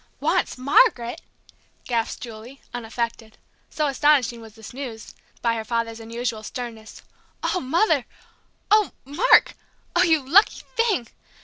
"Wants Margaret!" gasped Julie, unaffected so astonishing was the news by her father's unusual sternness. "Oh, Mother! Oh, Mark! Oh, you lucky thing!